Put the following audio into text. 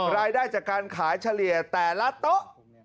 รายได้จากการขายเฉลี่ยแต่ละโต๊ะ